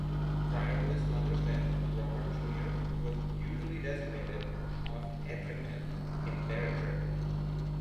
Prior to his father's death, Robert Junior, was usually designated "of Edrington" in Berwickshire.